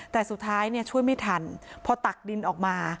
แต่สุดท้ายเนี่ยช่วยไม่ทันพอตักดินออกมา